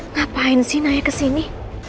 ngapain sih naya kesini